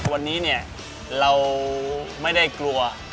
วันนี้เนี่ยเราไม่ได้กลัว